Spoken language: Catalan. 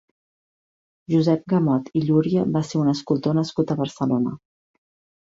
Josep Gamot i Llúria va ser un escultor nascut a Barcelona.